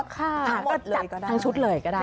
ก็จัดทั้งชุดเลยก็ได้